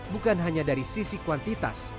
bukan hanya dari sisi kuantitas